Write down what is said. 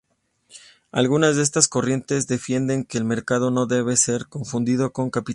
Algunas de estas corrientes defienden que el mercado no debe ser confundido con capitalismo.